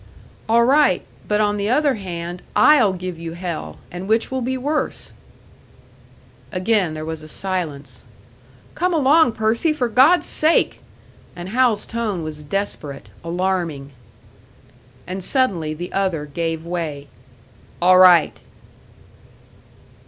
"All right; but on the other hand, I'll give you hell; and which will be worse?" Again there was a silence. "Come along, Percy! For God's sake!" And Hal's tone was desperate, alarming. And suddenly the other gave way. "All right!"